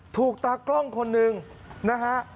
ตากล้องคนหนึ่งนะฮะ